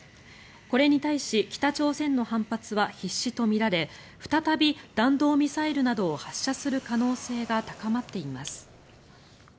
これに対し北朝鮮の反発は必至とみられ再び弾道ミサイルなどを発射する可能性が高まっています。